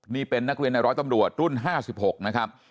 นี่เป็นนักวิทย์ในร้อยตำรวจรุ่นห้าสิบหกนะครับ